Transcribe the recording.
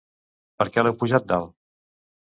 Per què l'heu pujat dalt?